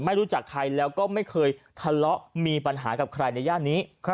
ไม่รู้จักใครแล้วก็ไม่เคยทะเลาะมีปัญหากับใครในย่านนี้